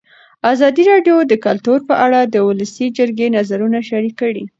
ازادي راډیو د کلتور په اړه د ولسي جرګې نظرونه شریک کړي.